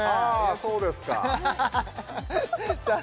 あそうですかさあ